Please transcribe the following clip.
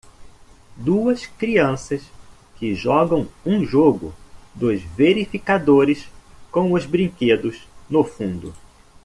Duas crianças que jogam um jogo dos verificadores com os brinquedos no fundo.